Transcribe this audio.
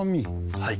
はい。